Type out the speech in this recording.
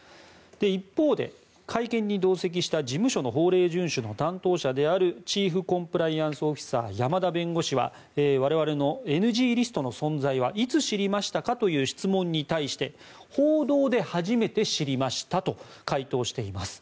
一方で、会見に同席した事務所の法令順守の担当者であるチーフコンプライアンスオフィサー山田弁護士は我々の、ＮＧリストの存在はいつ知りましたか？という質問に対して報道で初めて知りましたと回答しています。